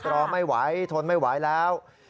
รอไม่ไหวทนไม่ไหวแล้ว